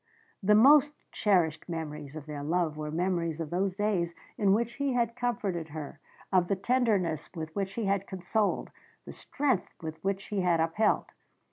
The most cherished memories of their love were memories of those days in which he had comforted her, of the tenderness with which he had consoled, the strength with which he had upheld.